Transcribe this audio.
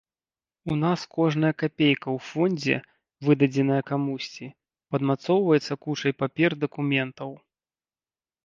У нас кожная капейка ў фондзе, выдадзеная камусьці, падмацоўваецца кучай папер-дакументаў.